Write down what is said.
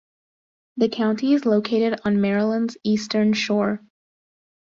The county is located on Maryland's Eastern Shore.